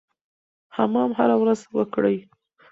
حمام هره ورځ وکړئ.